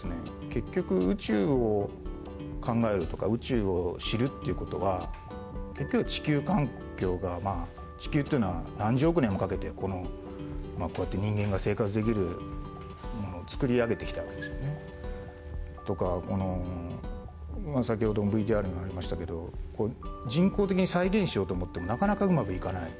結局宇宙を考えるとか宇宙を知るっていう事は結局地球環境がまあ地球っていうのは何十億年もかけてこのこうやって人間が生活できるものをつくり上げてきたわけですよね。とか先ほどのＶＴＲにもありましたけど人工的に再現しようと思ってもなかなかうまくいかない。